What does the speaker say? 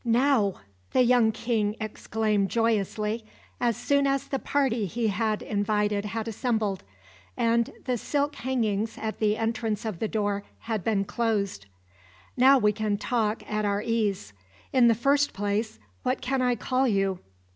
"Now," the young king exclaimed joyously, as soon as the party he had invited had assembled, and the silk hangings at the entrance of the door had been closed: "Now we can talk at our ease. In the first place, what can I call you?"